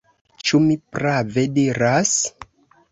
Ĉu mi prave diras?